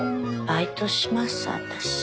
バイトします私。